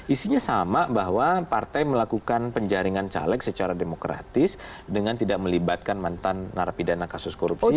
isinya sama bahwa partai melakukan penjaringan caleg secara demokratis dengan tidak melibatkan mantan narapidana kasus korupsi